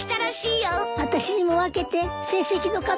あたしにも分けて成績の神様。